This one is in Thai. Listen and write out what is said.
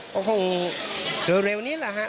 ก็คงเร็วนิดละครับ